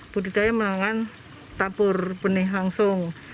budidaya mengangan tabur benih langsung